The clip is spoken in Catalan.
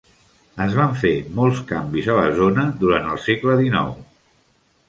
Es van fer molts canvis a la zona durant el segle XIX.